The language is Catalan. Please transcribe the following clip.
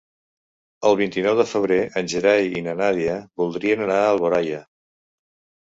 El vint-i-nou de febrer en Gerai i na Nàdia voldrien anar a Alboraia.